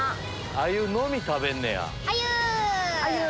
アユのみ食べんねや。